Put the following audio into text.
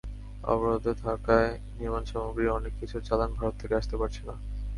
অবরোধ থাকায় নির্মাণসামগ্রীর অনেক কিছুর চালান ভারত থেকে আসতে পারছে না।